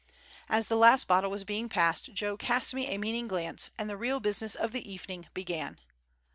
As the last bottle was being passed, Joe cast me a meaning glance, and the real business of the evening began.